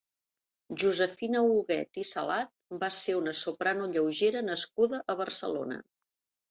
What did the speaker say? Josefina Huguet i Salat va ser una soprano lleugera nascuda a Barcelona.